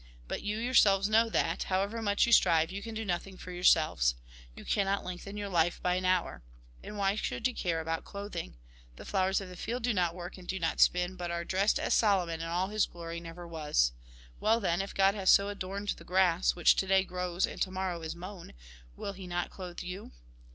But you yourselves know that, however much you strive, you can do nothing for yourselves. You cannot lengthen your life by an hour. And why should you care about clothing ? The flowers of 58 THE GOSPEL IN BRIEF the field do not work and do not spin, but are dressed as Solomon in all his glory never was. Well then, if God has so adorned the grass, which to day grows and to morrow is mown, will he not clothe you